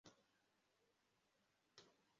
Abakozi b'ubwubatsi bakorera hamwe